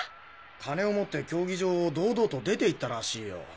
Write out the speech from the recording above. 金を持って競技場を堂々と出て行ったらしいよ。